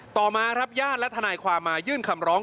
ต่อมาครับญาติและทนายความมายื่นคำร้อง